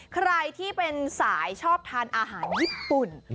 ใครที่เป็นสายชอบทานอาหารญี่ปุ่น